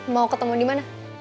mau ketemu di mana